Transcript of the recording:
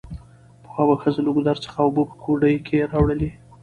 پخوا به ښځو له ګودر څخه اوبه په ګوډي کې راوړلې